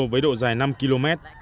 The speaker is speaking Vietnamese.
với độ dài năm km